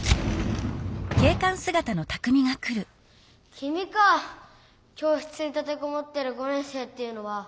きみか教室に立てこもってる５年生っていうのは。